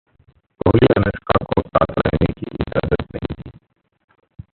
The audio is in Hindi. कोहली-अनुष्का को साथ रहने की इजाजत नहीं दी